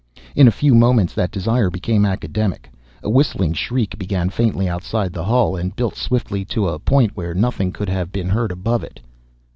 In a few moments that desire became academic. A whistling shriek began faintly outside the hull and built swiftly to a point where nothing could have been heard above it.